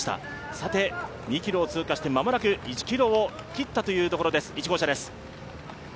さて２ｋｍを通過して、間もなく１ｋｍを切ったところです。